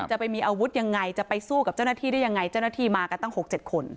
ไปมีอาวุธยังไงจะไปสู้กับเจ้าหน้าที่ได้ยังไงเจ้าหน้าที่มากันตั้ง๖๗คน